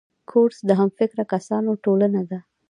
کورس د همفکره کسانو ټولنه ده.